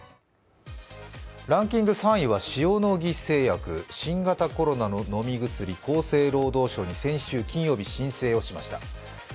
ランキング３位は塩野義製薬新型コロナの飲み薬、厚生労働省に先週金曜日、申請をしました。